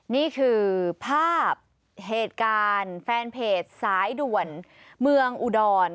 นี่คือภาพเหตุการณ์แฟนเพจสายด่วนเมืองอุดร